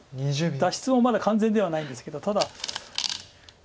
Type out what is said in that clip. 脱出もまだ完全ではないんですけどただ。